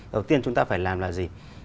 đầu tiên chúng ta phải làm là gì